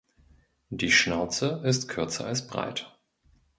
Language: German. Die Schnauze ist kürzer als breit.